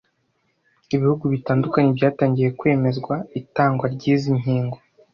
Ibihugu bitandukanye byatangiye kwemezwa itangwa ry’izi nkingo